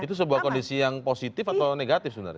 itu sebuah kondisi yang positif atau negatif sebenarnya